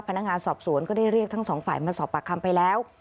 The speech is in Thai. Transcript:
พนักงานสอบสวนก็ได้เรียกทั้งสองฝ่ายมาสอบปากคำไปแล้ว